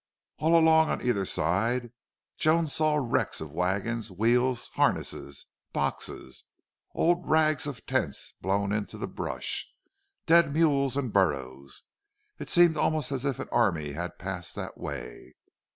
All along, on either side, Joan saw wrecks of wagons, wheels, harness, boxes, old rags of tents blown into the brush, dead mules and burros. It seemed almost as if an army had passed that way.